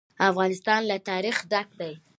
افغانستان له تاریخ ډک دی.